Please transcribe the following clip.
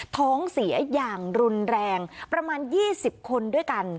ท้องเสียอย่างรุนแรงประมาณ๒๐คนด้วยกัน